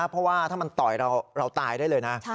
เพราะว่าถ้ามันต่อยเราตายได้เลยนะ